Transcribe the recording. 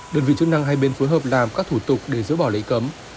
đơn vị chức năng hai bên phối hợp làm các thủ tục để giữ bỏ lệnh cấm